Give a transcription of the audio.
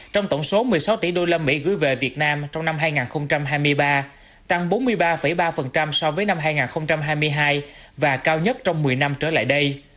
trong tổng số một mươi sáu tỷ usd gửi về việt nam trong năm hai nghìn hai mươi ba tăng bốn mươi ba ba so với năm hai nghìn hai mươi hai và cao nhất trong một mươi năm trở lại đây